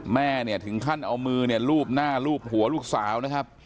แม่เนี่ยถึงขั้นเอามือเนี่ยลูบหน้าลูบหัวลูกสาวนะครับ